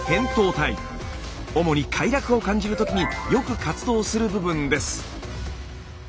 主に快楽を感じる時によく活動する部分です。